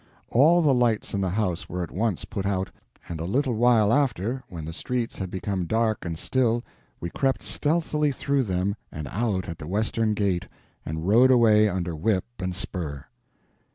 All the lights in the house were at once put out, and a little while after, when the streets had become dark and still, we crept stealthily through them and out at the western gate and rode away under whip and spur.